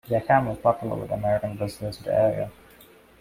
The camp was popular with American visitors to the area.